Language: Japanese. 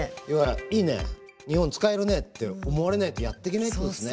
「いいね日本使えるね」って思われないとやってけないってことですね。